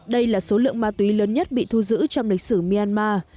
đây là số lượng ma túy lớn nhất bị thu giữ trong lịch sử myanmar